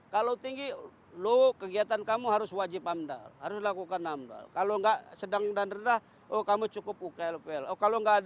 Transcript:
kalau tinggi lo kegiatan kamu harus wajib amdal harus lakukan amdal kalau enggak sedang dan rendah oh kamu cukup uklpl